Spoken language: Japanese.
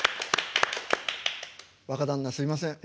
若旦那すいません。